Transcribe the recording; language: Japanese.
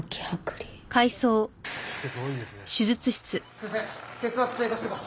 先生血圧低下してます！